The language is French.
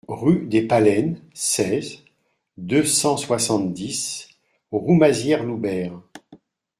Rue des Paleines, seize, deux cent soixante-dix Roumazières-Loubert